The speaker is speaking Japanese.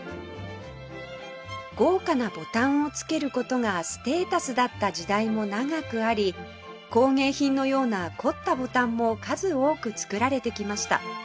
豪華なボタンを着ける事がステータスだった時代も長くあり工芸品のような凝ったボタンも数多く作られてきました